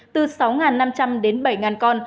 từ sáu năm trăm linh đến bảy con